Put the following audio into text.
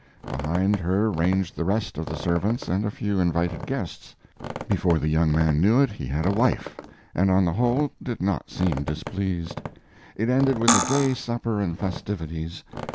Behind her ranged the rest of the servants and a few invited guests. Before the young man knew it he had a wife, and on the whole did not seem displeased. It ended with a gay supper and festivities.